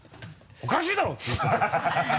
おかしいだろ！って言って。